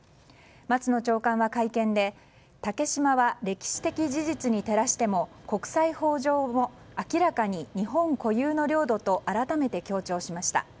松野長官は会見で竹島は歴史的事実に照らしても国際法上も明らかに日本固有の領土と改めて強調しました。